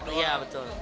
karena iya betul